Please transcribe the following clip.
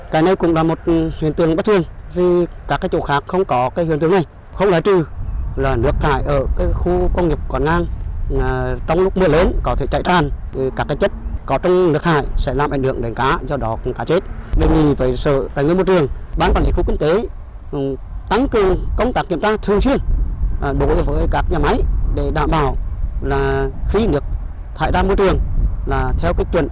là khí nước thải đam môi trường là theo các chuyện quy định